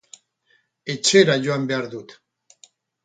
Etxera joan behar dut.